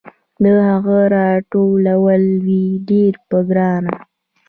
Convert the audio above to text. د هغه راتېرول وي ډیر په ګرانه